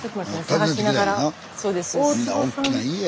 探しながらそうですそうです。